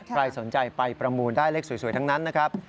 ใครสนใจไปประมูลได้เลขสวยทั้งนั้นนะครับ